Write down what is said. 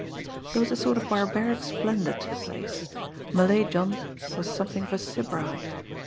There was a sort of barbaric splendour to the place. Malay John was something of a sybarite!